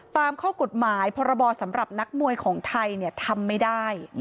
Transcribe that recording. ตามข้อกฎหมายพรบสำหรับนักมวยของไทยทำไม่ได้